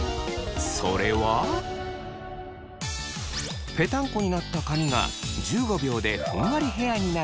それはぺたんこになった髪が１５秒でふんわりヘアになるテク。